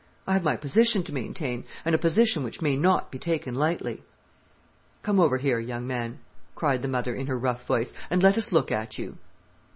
I have my position to maintain, and a position which may not be taken lightly." "Come over here, young man," cried the mother, in her rough voice, "and let us look at you."